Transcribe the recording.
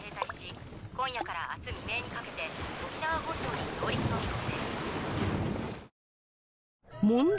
今夜から明日未明にかけて沖縄本島に上陸の見込みです。